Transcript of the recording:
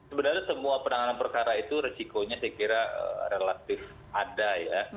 sebenarnya semua penanganan perkara itu resikonya saya kira relatif ada ya